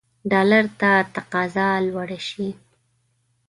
ډالرو ته تقاضا لوړه شي.